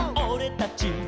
「おれたち！